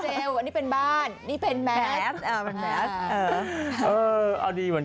เจลอันนี้เป็นบ้าน